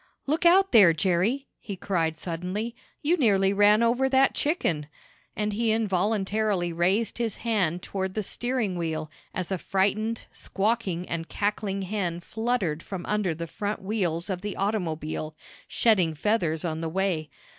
"Look out there, Jerry!" he cried suddenly. "You nearly ran over that chicken," and he involuntarily raised his hand toward the steering wheel as a frightened, squawking and cackling hen fluttered from under the front wheels of the automobile, shedding feathers on the way.